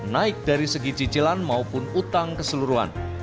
naik dari segi cicilan maupun utang keseluruhan